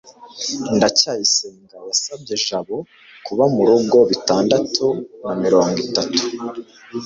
ndacyayisenga yasabye jabo kuba murugo bitandatu na mirongo itatu